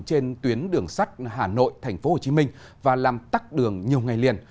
trên tuyến đường sắt hà nội tp hcm và làm tắt đường nhiều ngày liền